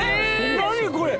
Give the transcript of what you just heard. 何これ！